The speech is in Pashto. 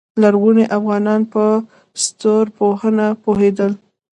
لرغوني افغانان په ستورپوهنه پوهیدل